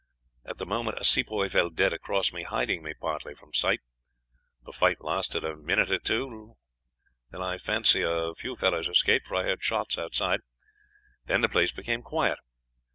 At the moment a Sepoy fell dead across me, hiding me partly from sight. The fight lasted a minute or two longer. I fancy a few fellows escaped, for I heard shots outside. Then the place became quiet.